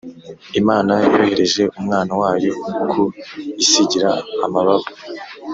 imana yohereje umwana wayo ku isiigira amababa